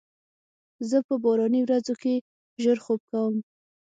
زه په باراني ورځو کې ژر خوب کوم.